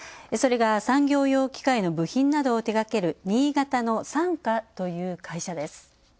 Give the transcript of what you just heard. それが、産業用機械の部品などを手がける新潟のＳＡＮＫＡという会社です。